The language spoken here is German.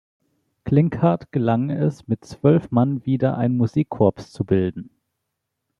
Klinkhardt gelang es, mit zwölf Mann wieder ein Musikkorps zu bilden.